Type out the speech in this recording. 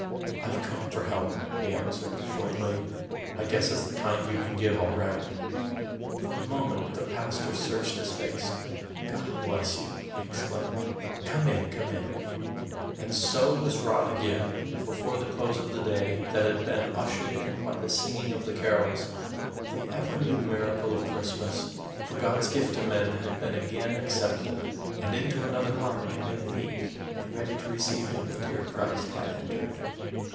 "I've come for help," he answered, shortly. "I guess it's the kind you can give, all right." For a moment the pastor searched his face. "God bless you!" he exclaimed. "Come in, come in." And so was wrought again, before the close of the day that had been ushered in by the singing of the carols, the ever new miracle of Christmas; for God's gift to men had been again accepted, and into another heart made meek and ready to receive him the dear Christ had entered.